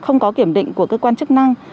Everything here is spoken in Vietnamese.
không có kiểm định của cơ quan chức năng